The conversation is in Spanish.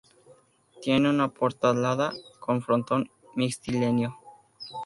Tiene una portalada con frontón mixtilíneo.